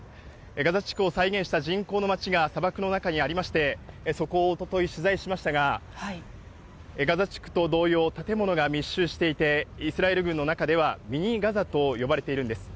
ガザ地区を再現した人工の街が砂漠の中にありまして、そこをおととい、取材しましたが、ガザ地区と同様、建物が密集していて、イスラエル軍の中では、ミニ・ガザと呼ばれているんです。